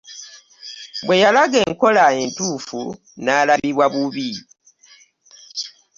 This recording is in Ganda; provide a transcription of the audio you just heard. Bwe yalaga enkola entuufu n'alabibwa bubi.